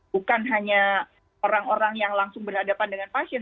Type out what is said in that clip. bukan hanya orang orang yang langsung berhadapan dengan pasien